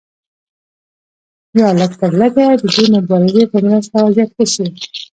یا لږترلږه د دې مبارزې په مرسته وضعیت ښه شي.